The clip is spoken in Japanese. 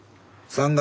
３月。